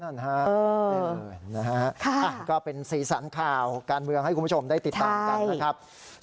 นะฮะก็เป็นสีสันข่าวการเมืองให้คุณผู้ชมได้ติดตามกันนะครับ